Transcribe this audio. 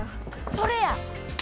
それや！